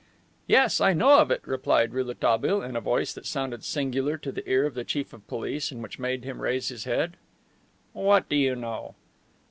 "Yes, I know it," replied Rouletabille, in a voice that sounded singular to the ear of the Chief of Police and which made him raise his head. "What do you know?"